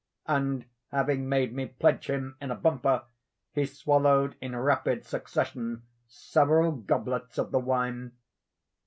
And, having made me pledge him in a bumper, he swallowed in rapid succession several goblets of the wine.